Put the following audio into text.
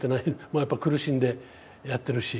まあやっぱ苦しんでやってるし。